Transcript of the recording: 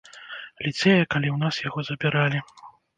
Ліцэя, калі ў нас яго забіралі.